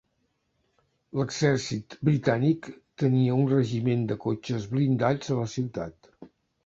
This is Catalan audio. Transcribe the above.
L'Exèrcit Britànic tenia un regiment de cotxes blindats a la ciutat.